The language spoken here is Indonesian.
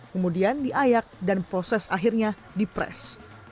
kemudian diayak dan proses akhirnya dipres